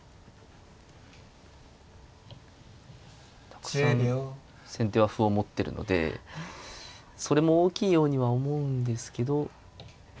たくさん先手は歩を持ってるのでそれも大きいようには思うんですけど。